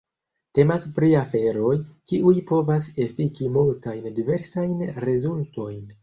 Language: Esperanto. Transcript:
Temas pri aferoj, kiuj povas efiki multajn diversajn rezultojn.